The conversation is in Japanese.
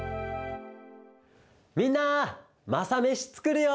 みんな「マサメシ」つくるよ！